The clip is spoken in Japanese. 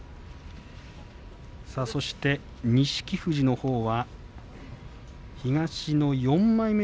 そして錦富士のほうは東の４枚目。